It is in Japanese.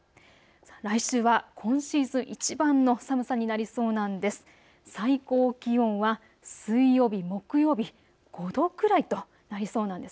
来週は今シーズン、いちばんの寒さになりそうなんです。